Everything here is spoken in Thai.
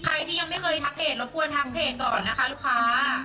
ใครที่ยังไม่เคยทักเพจรบกวนทางเพจก่อนนะคะลูกค้า